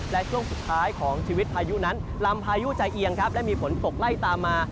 และช่วงสุดท้ายของชีวิตพายุนั้นลำพายุใจเอียงครับได้มีฝนตกไล่ตามมา